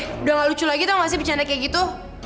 udah deh udah gak lucu lagi tau gak sih bercanda kayak gitu